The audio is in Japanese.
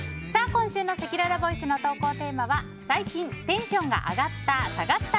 今週のせきららボイスの投稿テーマは最近テンションが上がった＆